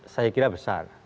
saya kira besar